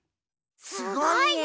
すごいね！